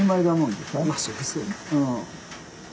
うん。